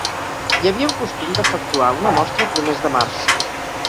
Hi havia un costum d'efectuar una mostra a primers de març.